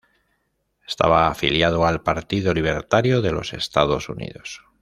Estaba afiliado al Partido Libertario de los Estados Unidos.